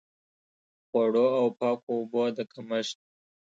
خوړو او پاکو اوبو د کمښت.